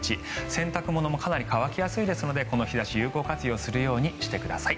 洗濯物もかなり乾きやすいのでこの日差し、有効活用するようにしてください。